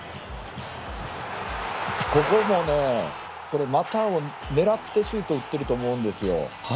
ここもね、股を狙ってシュートを打ってると思います。